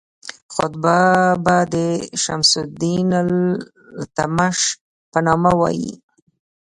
خطبه به د شمس الدین التمش په نامه وایي.